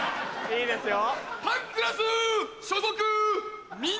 いいですよ。